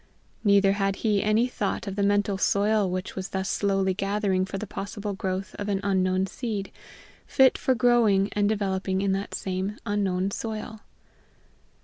Neither had he any thought of the mental soil which was thus slowly gathering for the possible growth of an unknown seed, fit for growing and developing in that same unknown soil.